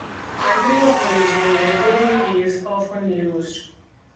Country of Origin Labeling is often used.